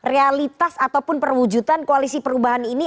realitas ataupun perwujudan koalisi perubahan ini